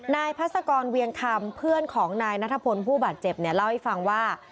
พัศกรเวียงคำเพื่อนของนายนัทพลผู้บาดเจ็บเนี่ยเล่าให้ฟังว่า